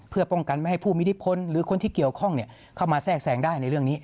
เพื่อป้องกันไม่ให้ผู้มีอิทธิพลหรือคนที่เกี่ยวข้องเข้ามาแทรกแสงได้ในเรื่องนี้